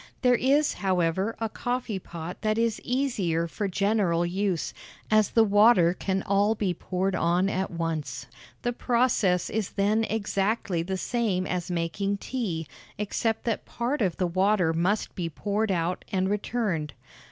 There is, however, a coffee pot that is easier for general use, as the water can all be poured on at once; the process is then exactly the same as making tea, except that part of the water must be poured out and returned.